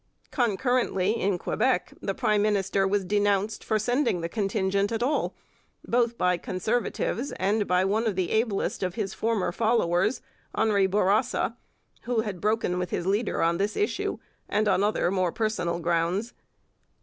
Concurrently in Quebec the prime minister was denounced for sending the contingent at all, both by Conservatives and by one of the ablest of his former followers, Henri Bourassa, who had broken with his leader on this issue and on other more personal grounds.